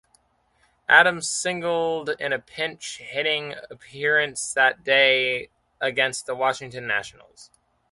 Adams singled in a pinch-hitting appearance that day against the Washington Nationals.